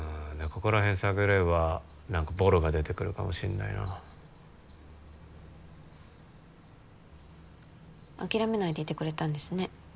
ここら辺探れば何かボロが出てくるかもしれないな諦めないでいてくれたんですね